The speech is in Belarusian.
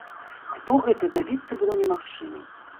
Хто гэта, дабіцца было немагчыма.